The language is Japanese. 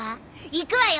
行くわよ